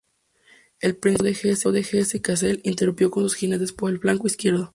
El Príncipe heredero de Hesse-Kassel irrumpió con sus jinetes por el flanco izquierdo.